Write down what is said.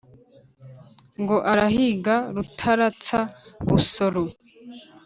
ngo arahiga rutaratsa-busoro.